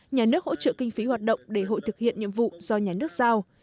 nhà nước hỗ trợ kinh phí hoạt động để hội thực hiện nhiệm vụ do nhà nước giao